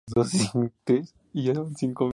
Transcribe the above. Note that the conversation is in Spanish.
El estilo es denso.